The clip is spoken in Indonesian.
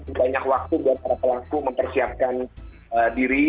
itu banyak waktu buat para pelaku mempersiapkan diri